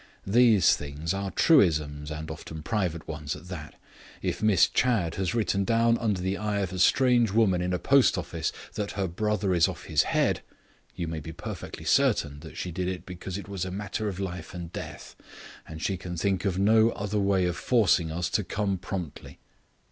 These things are truisms, and often private ones at that. If Miss Chadd has written down under the eye of a strange woman in a post office that her brother is off his head you may be perfectly certain that she did it because it was a matter of life and death, and she can think of no other way of forcing us to come promptly."